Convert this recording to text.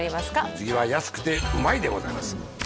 次は安くてうまいでございます